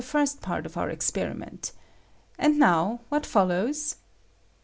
first part of our expcrimeTifc ; and now what fol lows?